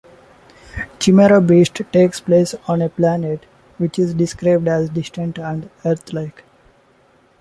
Chimera Beast takes place on a planet which is described as distant and Earth-like.